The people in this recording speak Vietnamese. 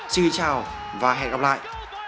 xin chào và hẹn gặp lại